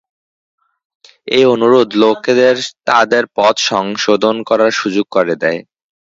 এই অনুরোধ লোকেদের তাদের পথ সংশোধন করার সুযোগ করে দেয়।